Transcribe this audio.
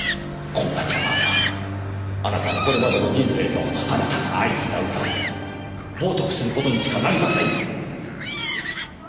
こんな茶番はあなたのこれまでの人生とあなたが愛した歌を冒涜する事にしかなりませんよ！